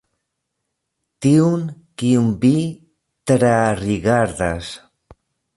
Tiun kiun vi trarigardas.